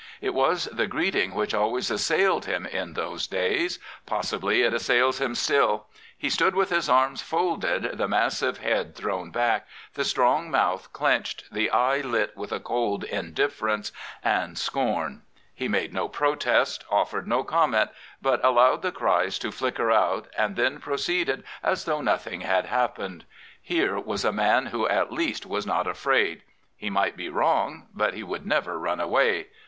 It was the greeting which always assailed him in those days. Possibly it assails him still. He stoo^with his arms folded, the massive head thrown rack, the strong mouth clenched, the eye lit with 4 cold indifference and 53 Prophets, Priests, and Kings scorn. He made no protest, offered no comment, but allowed the cries to flicker out and then pro ceeded as though nothing had happened. Here was a man who at least was not afraid. He might be wrong; but he would never run away.